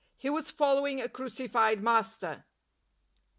He was following a crucified Master.